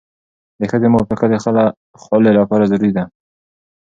د ښځې موافقه د خلع لپاره ضروري ده.